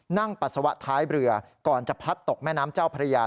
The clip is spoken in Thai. ปัสสาวะท้ายเรือก่อนจะพลัดตกแม่น้ำเจ้าพระยา